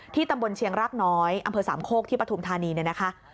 ตำบลเชียงรากน้อยอำเภอสามโคกที่ปฐุมธานีเนี่ยนะคะ